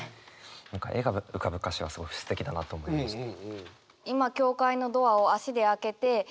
何か絵が浮かぶ歌詞はすごいすてきだなと思いました。